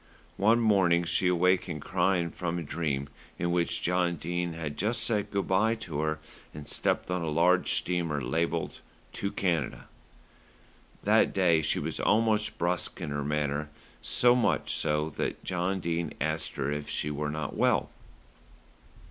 One morning she awakened crying from a dream in which John Dene had just said good day to her and stepped on a large steamer labelled "To Canada." That day she was almost brusque in her manner, so much so that John Dene had asked her if she were not well.